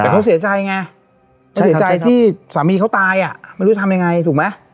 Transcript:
แต่เขาเสียใจไงเขาเสียใจที่สามีเขาตายอ่ะไม่รู้ทำยังไงถูกไหม